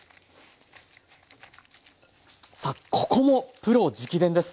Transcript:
さあここもプロ直伝です。